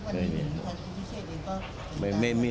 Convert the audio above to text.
ไม่มีไม่มี